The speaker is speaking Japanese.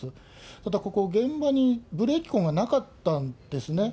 ただここ、現場にブレーキ痕がなかったんですね。